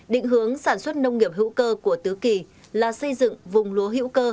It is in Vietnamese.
định hướng sản xuất nông nghiệp hữu cơ của tứ kỳ là xây dựng vùng lúa hữu cơ